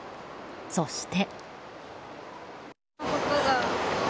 そして。